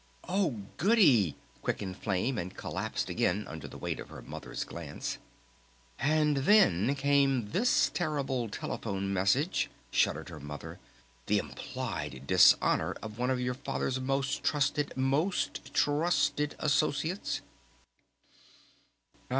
"Oh, goody!" quickened Flame and collapsed again under the weight of her Mother's glance. "And then came this terrible telephone message," shuddered her Mother. "The implied dishonor of one of your Father's most trusted most trusted associates!"